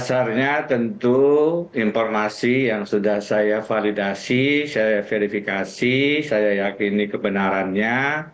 dasarnya tentu informasi yang sudah saya validasi saya verifikasi saya yakini kebenarannya